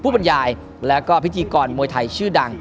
บรรยายแล้วก็พิธีกรมวยไทยชื่อดัง